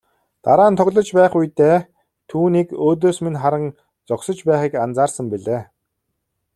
Дараа нь тоглож байх үедээ түүнийг өөдөөс минь харан зогсож байхыг анзаарсан билээ.